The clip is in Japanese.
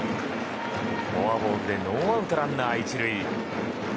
フォアボールでノーアウトランナー１塁。